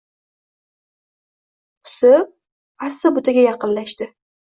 Pusib, asta butaga yaqinlashdi.